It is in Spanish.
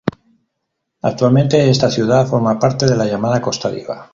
Actualmente esta ciudad forma parte de la llamada "Costa Diva.